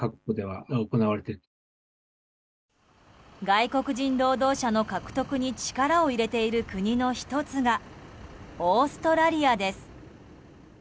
外国人労働者の獲得に力を入れている国の１つがオーストラリアです。